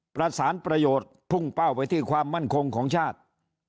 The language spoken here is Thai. ประสานประโยชน์พุ่งเป้าไปที่ความมั่นคงของชาติ